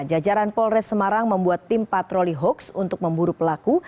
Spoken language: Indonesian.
jajaran polres semarang membuat tim patroli hoax untuk memburu pelaku